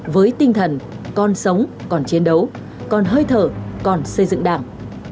với tinh thần con sống còn chiến đấu còn hơi thở còn xây dựng đảng